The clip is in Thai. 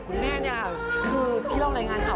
คุณแม่เนี่ยคือที่เรารายงานข่าว